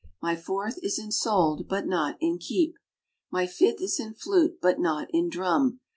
My fourth is in sold, but not in keep. My fifth is in flute, but not in drum.